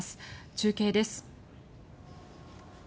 中継です。